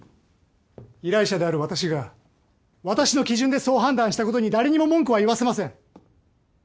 依頼者である私が私の基準でそう判断したことに誰にも文句は言わせません。